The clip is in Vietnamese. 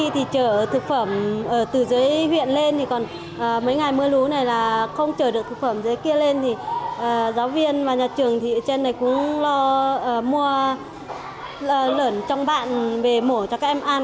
phẩm dưới kia lên thì giáo viên và nhà trường thì trên này cũng lo mua lởn trong bạn về mổ cho các em ăn